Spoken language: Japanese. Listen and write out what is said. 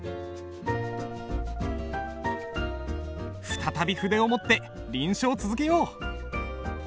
再び筆を持って臨書を続けよう。